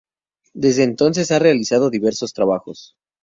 Desde entonces ha realizado diversos trabajos.